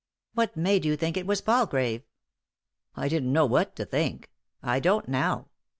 "What made you think it was Palgrave ?" "I didn't know what to think; I don't now.